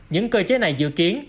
những cơ chế này dự kiến